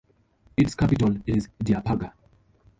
Its capital is Diapaga.